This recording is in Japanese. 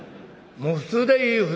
もう普通でいい。